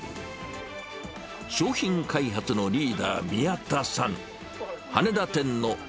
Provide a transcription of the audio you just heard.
商品開発のリーダー、宮田さん。